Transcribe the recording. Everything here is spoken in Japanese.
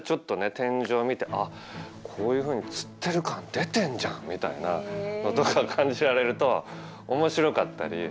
天井見て「あっこういうふうにつってる感出てんじゃん」みたいなことが感じられると面白かったり。